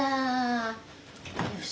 よし。